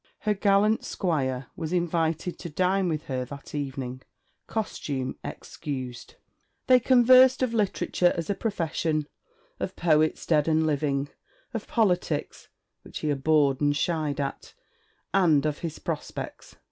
Her gallant squire was invited to dine with her that evening, costume excused. They conversed of Literature as a profession, of poets dead and living, of politics, which he abhorred and shied at, and of his prospects.